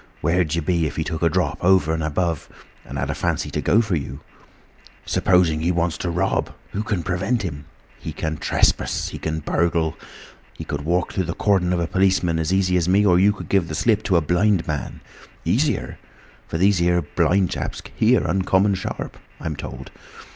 Where'd you be, if he took a drop over and above, and had a fancy to go for you? Suppose he wants to rob—who can prevent him? He can trespass, he can burgle, he could walk through a cordon of policemen as easy as me or you could give the slip to a blind man! Easier! For these here blind chaps hear uncommon sharp, I'm told.